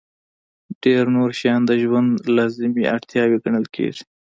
ډېر نور شیان د ژوند لازمي اړتیاوې ګڼل کېږي.